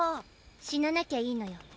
死ななきゃいいのよ。